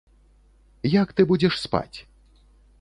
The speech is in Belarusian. Як ты будзеш спаць?